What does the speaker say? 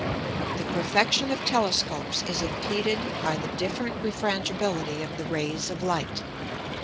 _The Perfection of Telescopes is impeded by the different Refrangibility of the Rays of Light.